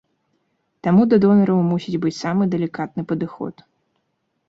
Таму да донараў мусіць быць самы далікатны падыход.